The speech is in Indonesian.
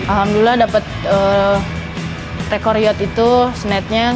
alhamdulillah dapet rekor hiot itu senetnya